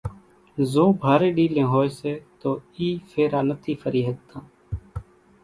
زو ڀارين ڏيلين ھوئي سي تو اِي ڦيرا نٿي ڦري ۿڳتان،